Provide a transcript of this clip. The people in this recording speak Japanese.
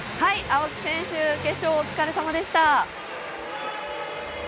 青木選手決勝お疲れさまでした。